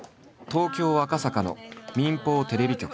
東京赤坂の民放テレビ局。